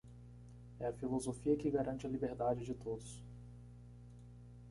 É a filosofia que garante a liberdade de todos.